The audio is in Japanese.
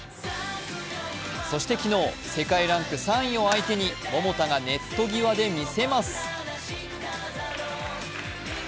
そして昨日、世界ランク３位を相手に桃田がネット際で見せます。